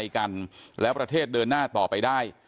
กันแล้วประเทศเดินหน้าต่อไปได้